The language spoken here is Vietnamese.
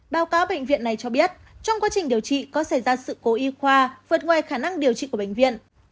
báo cáo bệnh viện này cho biết trong quá trình điều trị có xảy ra sự cố y khoa vượt ngoài khả năng điều trị của bệnh viện